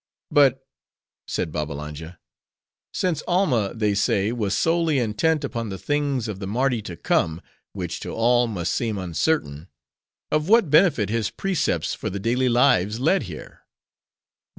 "But," said Babbalanja, "since Alma, they say, was solely intent upon the things of the Mardi to come—which to all, must seem uncertain—of what benefit his precepts for the daily lives led here?"